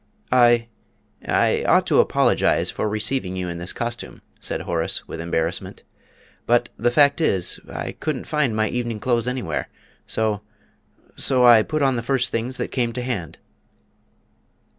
"I I ought to apologise for receiving you in this costume," said Horace, with embarrassment; "but the fact is, I couldn't find my evening clothes anywhere, so so I put on the first things that came to hand."